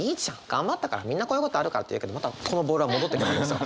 みんなこういうことあるからって言うけどまたこのボールは戻ってくるんですよ。